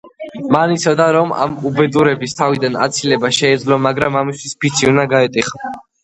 მან იცოდა, რომ ამ უბედურების თავიდან აცილება შეეძლო, მაგრამ ამისთვის ფიცი უნდა გაეტეხა.